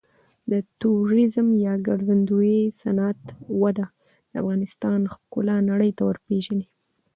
د توریزم یا ګرځندوی صنعت وده د افغانستان ښکلا نړۍ ته ورپیژني.